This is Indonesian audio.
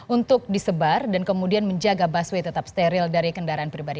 untuk disebar dan kemudian menjaga busway tetap steril dari kendaraan pribadi